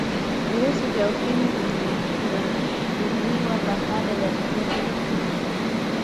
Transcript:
virusi vya ukimwi viligundulikana baada ya ripoti hiyo